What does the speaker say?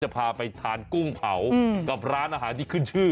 พาไปทานกุ้งเผากับร้านอาหารที่ขึ้นชื่อ